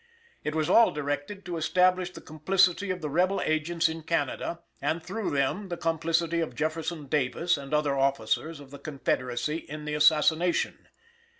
It was all directed to establish the complicity of the rebel agents in Canada and through them the complicity of Jefferson Davis and other officers of the "Confederacy" in the assassination.